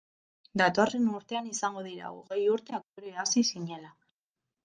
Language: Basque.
Datorren urtean izango dira hogei urte aktore hasi zinela.